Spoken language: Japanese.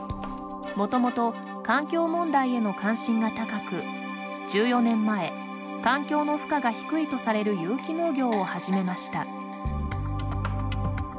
もともと環境問題への関心が高く１４年前環境の負荷が低いとされる有機農業を始めました。